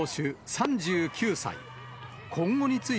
３９歳。